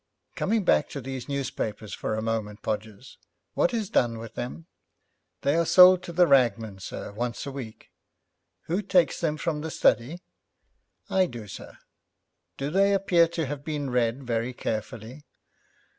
'Coming back to these newspapers for a moment, Podgers. What is done with them?' 'They are sold to the ragman, sir, once a week.' 'Who takes them from the study?' 'I do, sir.' 'Do they appear to have been read very carefully?'